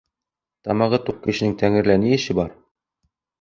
Тамағы туҡ кешенең тәңрелә ни эше бар?